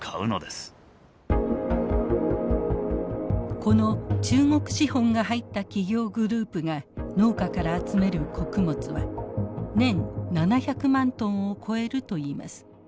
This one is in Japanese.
この中国資本が入った企業グループが農家から集める穀物は年７００万トンを超えるといいます。